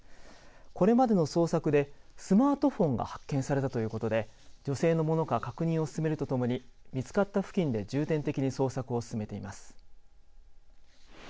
これまでの捜索でスマートフォンが発見されたということで女性のものか確認を進めるとともに見つかった付近で重点的に捜索を進めています。